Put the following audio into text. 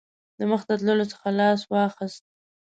د مخته تللو څخه لاس واخیست.